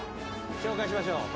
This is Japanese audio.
紹介しましょう。